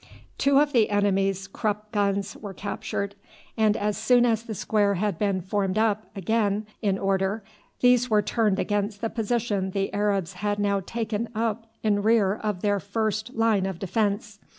Two of the enemy's Krupp guns were captured, and as soon as the square had been formed up again in order these were turned against the position the Arabs had now taken up in rear of their first line of defence.